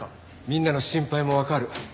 みんなの心配もわかる。